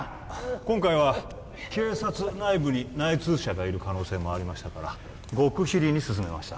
今回は警察内部に内通者がいる可能性もありましたから極秘裏に進めました